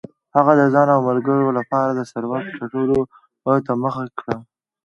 هغه د ځان او ملګرو لپاره د ثروت ټولولو ته مخه کړه.